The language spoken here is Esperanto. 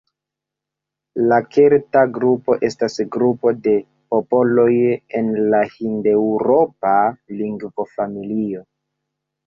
La kelta grupo estas grupo de popoloj en la hindeŭropa lingvofamilio.